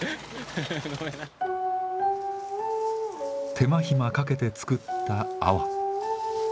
手間暇かけて作ったアワ。